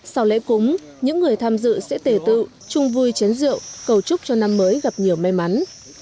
sau lễ cúng những người tham dự sẽ tề tự chung vui chén rượu cầu chúc cho năm mới gặp nhiều may mắn